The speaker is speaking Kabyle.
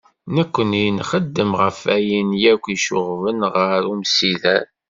Nekni, nxeddem ɣef wayen yakk icuɣben ɣer umsider.